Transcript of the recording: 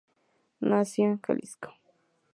Nació en Jalisco.